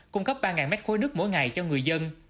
cung cấp ba mét khối nước mỗi ngày cho người dân